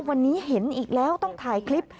วันนี้เห็นอีกแล้วต้องถ่ายคลิป